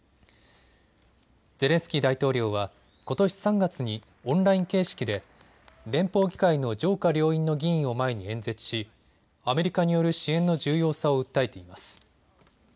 ゼレンスキー大統領はことし３月にオンライン形式で連邦議会の上下両院の議員を前に演説しアメリカによる支援の重要さを訴えています。